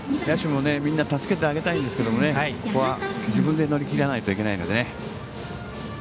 野手もみんな助けてあげたいんですけどここは自分で乗り切らないといけないのでね。